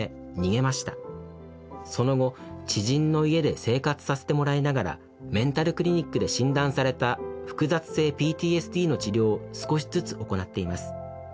その後知人の家で生活させてもらいながらメンタルクリニックで診断された複雑性ＰＴＳＤの治療を少しずつ行っています。